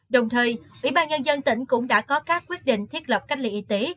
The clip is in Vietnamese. đồng thời ủy ban nhân dân tỉnh cũng đã có các quyết định thiết lập cách ly y tế